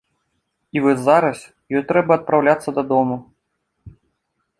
І вось зараз ёй трэба адпраўляцца дадому.